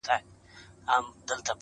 پر مخ وريځ،